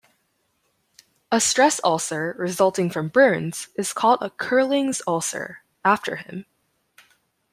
A stress ulcer resulting from burns is called a Curling's ulcer after him.